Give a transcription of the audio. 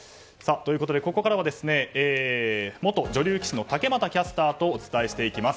ここからは元女流棋士の竹俣キャスターとお伝えしていきます。